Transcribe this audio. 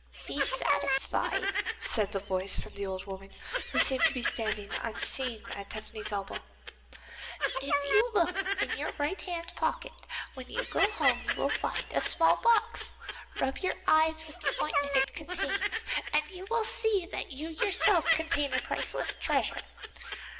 'Be satisfied,' said the voice of the old woman, who seemed to be standing unseen at Tephany's elbow. 'If you look in your right hand pocket when you go home you will find a small box. Rub your eyes with the ointment it contains, and you will see that you yourself contain a priceless treasure.